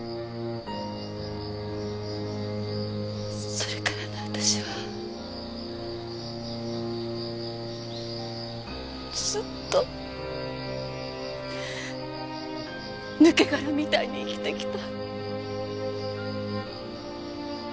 それからの私はずっと抜け殻みたいに生きてきた。